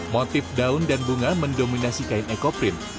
motif daun dan bunga mendominasi kain ekoprint